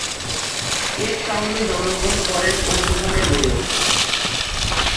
Cape টাউনে জন্মগ্রহণ করেন ও সেখানেই বেড়ে উঠেন।